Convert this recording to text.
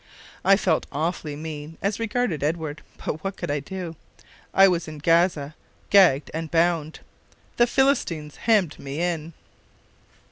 I felt awfully mean as regarded Edward; but what could I do? I was in Gaza, gagged and bound; the Philistines hemmed me in.